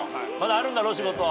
まだあるんだろ仕事。